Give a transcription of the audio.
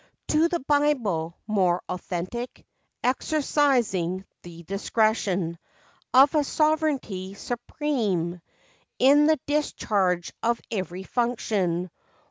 To the Bible, more authentic, Exercising the discretion Of a sovereignty supreme, in The discharge of every function.